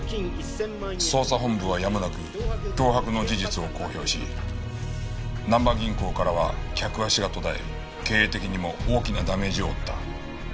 捜査本部はやむなく脅迫の事実を公表しなんば銀行からは客足が途絶え経営的にも大きなダメージを負った。